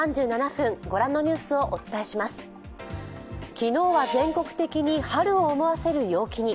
昨日は全国的に春を思わせる陽気に。